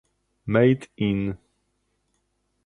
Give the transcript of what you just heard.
"Made in"